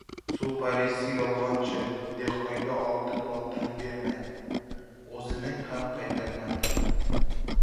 Suv parisi yolgʻonchi dehqonga oltin boltani bermadi, oʻziniki ham qaytarmadi.